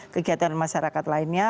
kegiatan masyarakat lainnya